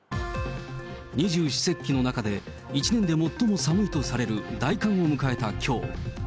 二十四節気の中で一年で最も寒いとされる大寒を迎えたきょう。